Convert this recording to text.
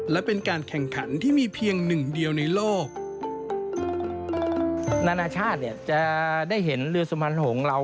และเป็นการแข่งขันที่มีเพียงหนึ่งเดียวในโลก